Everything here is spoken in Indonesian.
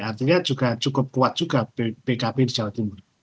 artinya juga cukup kuat juga pkb di jawa timur